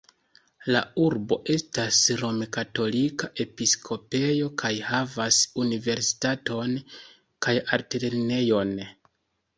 La urbo estas rom-katolika episkopejo kaj havas universitaton kaj altlernejon.